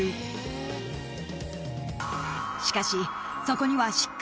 ［しかしそこには］何すか？